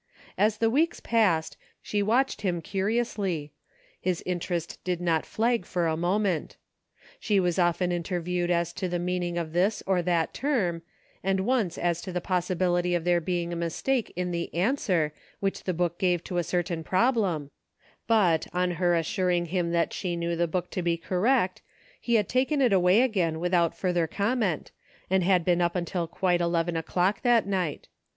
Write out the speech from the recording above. As the weeks passed, she watched him curiously ; his interest did not flag for a moment. She was often interviewed as to the meaning of this or that term, and once as to the possibility of there being a mistake in the "an swer " which the book gave to a certain problem ; but on her assuring him that she knew the book to be correct, he had taken it away again without further comment, and had been up until quite eleven o'clock that night.